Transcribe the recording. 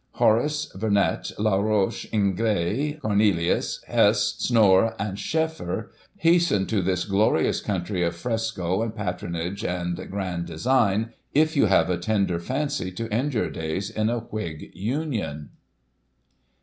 Horace Vernet, La Roche, Ingres, Cornelius, Hess, Snorr, and Scheffer, hasten to this glorious country of fresco and patronage, and grand design, if you have a tender fancy to end your days in a Whig Union."